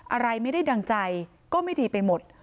อะไรไม่ได้ดังใจก็ไม่ดีไปหมด